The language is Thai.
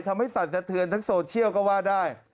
ทำให้สั่นกระเทือนทั้งโซเชียลก็ว่าได้